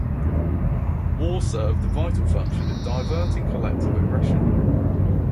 War served the vital function of diverting collective aggression.